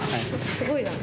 すごいな。